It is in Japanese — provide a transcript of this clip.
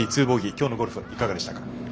今日のゴルフはいかがでしたか。